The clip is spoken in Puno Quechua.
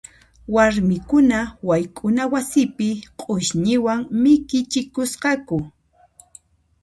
Warmikuna wayk'una wasipi q'usñiwan mikichikusqaku.